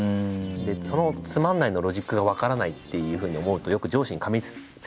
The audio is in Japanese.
でそのつまんないのロジックが分からないっていうふうに思うとよく上司にかみついてたんですよ。